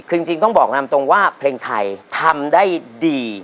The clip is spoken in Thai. คือจริงต้องบอกนำตรงว่าเพลงไทยทำได้ดี